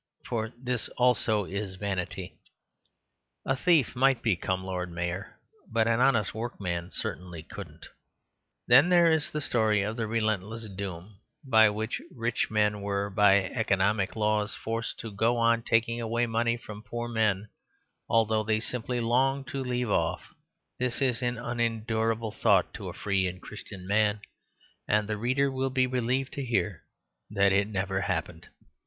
for this also is vanity. A thief might become Lord Mayor, but an honest workman certainly couldn't. Then there is the story of "The Relentless Doom," by which rich men were, by economic laws, forced to go on taking away money from poor men, although they simply longed to leave off: this is an unendurable thought to a free and Christian man, and the reader will be relieved to hear that it never happened.